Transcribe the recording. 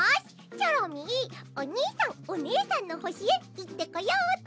チョロミーおにいさんおねえさんのほしへいってこようっと！